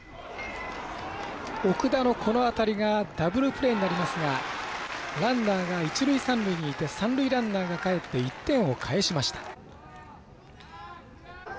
奥田の、当たりがダブルプレーになりますがランナーが一塁、三塁にいて三塁ランナーがかえって１点を返しました。